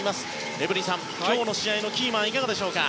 エブリンさん、今日の試合のキーマンはいかがですか？